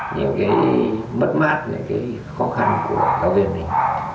nhiều cái mất mát những cái khó khăn của giáo viên mình